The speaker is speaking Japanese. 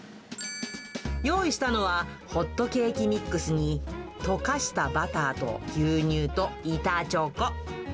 用意したのは、ホットケーキミックスに、溶かしたバターと牛乳と板チョコ。